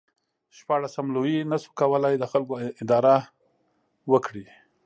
شپاړسم لویي نشو کولای د خلکو اداره وکړي.